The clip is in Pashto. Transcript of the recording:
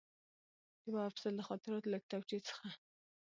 ډېوه افضل: د خاطراتو له کتابچې څخه